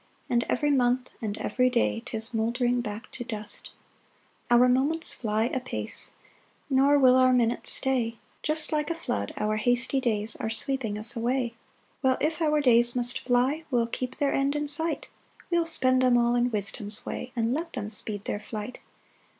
And every month, and every day 'Tis mouldering back to dust. 3 Our moments fly apace, Nor will our minutes stay; Just like a flood our hasty days Are sweeping us away. 4 Well if our days must fly, We'll keep their end in sight, We'll spend them all in wisdom's way, And let them speed their flight.